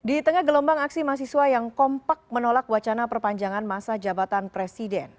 di tengah gelombang aksi mahasiswa yang kompak menolak wacana perpanjangan masa jabatan presiden